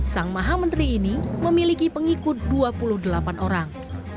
sang mahamenteri ini memiliki pengikut dua puluh delapan orang